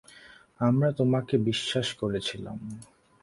আমরা তোমাকে বিশ্বাস করেছিলাম।